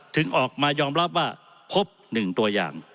ถึงออกมายอมรับว่าพบ๑ตัวอย่าง